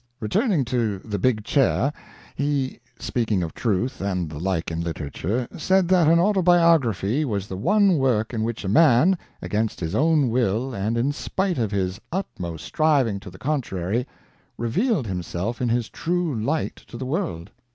Returning to the big chair, he, speaking of truth and the like in literature, said that an autobiography was the one work in which a man, against his own will and in spite of his utmost striving to the contrary, revealed himself in his true light to the world.